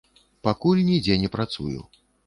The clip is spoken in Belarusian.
Пакуль нідзе не працую.